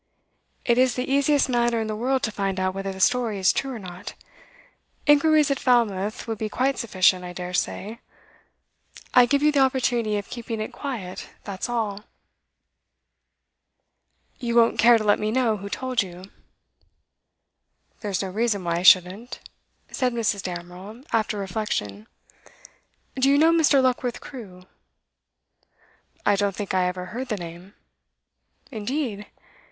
'It is the easiest matter in the world to find out whether the story is true or not. Inquiries at Falmouth would be quite sufficient, I dare say. I give you the opportunity of keeping it quiet, that's all.' 'You won't care to let me know who told you?' 'There's no reason why I shouldn't,' said Mrs. Damerel, after reflection. 'Do you know Mr. Luckworth Crewe?' 'I don't think I ever heard the name.' 'Indeed?